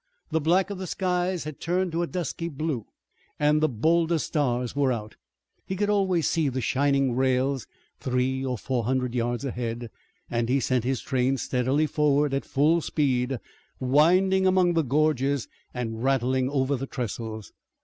The black of the skies had turned to a dusky blue, and the bolder stars were out. He could always see the shining rails three or four hundred yards ahead, and he sent his train steadily forward at full speed, winding among the gorges and rattling over the trestles.